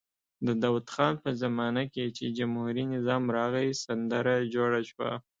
د داود خان په زمانه کې چې جمهوري نظام راغی سندره جوړه شوه.